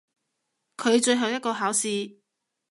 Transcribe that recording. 佢最後一個考試！